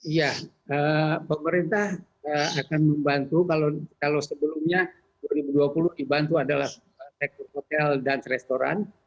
iya pemerintah akan membantu kalau sebelumnya dua ribu dua puluh dibantu adalah sektor hotel dan restoran